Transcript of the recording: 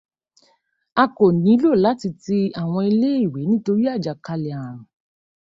A kò nílò láti ti àwọn ilé ìwé nítorí àjàkálẹ̀ ààrùn.